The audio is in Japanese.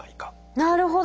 なるほど。